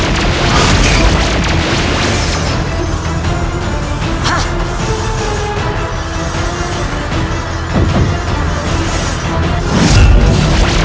aku harus menggunakan ajem pabuk kasku